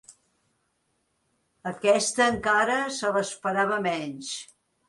Aquesta encara se l'esperava menys.